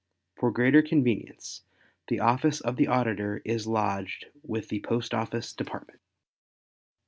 For greater convenience the office of the Auditor is lodged with the Post Office Department.